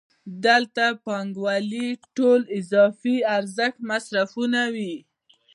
دلته پانګوال ټول اضافي ارزښت مصرفوي